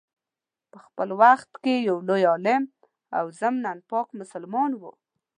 په خپل وخت کي یو عالم او ضمناً پاک مسلمان وو.